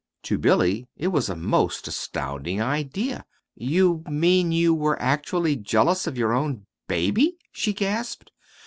To Billy it was a most astounding idea. "You mean you were actually jealous of your own baby?" she gasped.